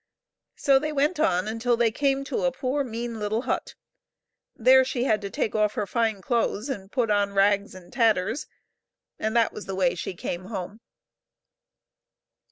So they went on until they came to a poor, mean little hut. There she had to take off her fine clothes and put on rags and tatters ; and that was the way she came home.